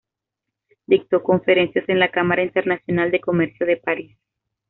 Dictó conferencias en la Cámara Internacional de Comercio de París.